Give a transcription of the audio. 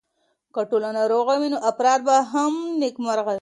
که ټولنه روغه وي نو افراد به هم نېکمرغه وي.